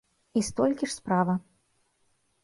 І столькі ж справа.